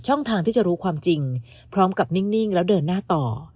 ทางที่จะรู้ความจริงพร้อมกับนิ่งแล้วเดินหน้าต่อ